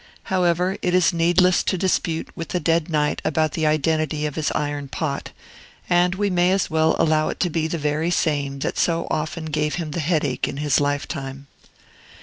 However, it is needless to dispute with the dead knight about the identity of his iron pot, and we may as well allow it to be the very same that so often gave him the headache in his lifetime.